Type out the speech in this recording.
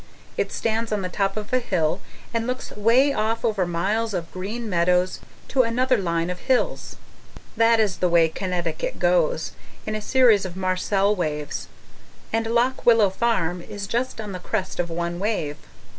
It stands on the top of a hill and looks way off over miles of green meadows to another line of hills. That is the way Connecticut goes, in a series of Marcelle waves; and Lock Willow Farm is just on the crest of one wave.